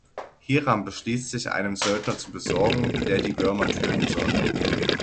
Hiram beschließt, sich einen Söldner zu besorgen, der die Würmer töten soll.